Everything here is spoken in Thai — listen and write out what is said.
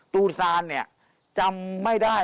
ตูซานเนี่ยจำไม่ได้